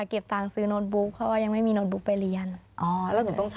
แล้วเฟย์บุ๊คก็อะไรโปรโมทให้ให้คุณผู้ชม